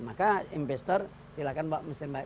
maka investor silakan bawa mesin baik